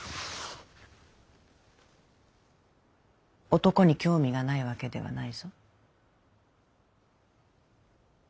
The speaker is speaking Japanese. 男に興味がないわけではないぞ。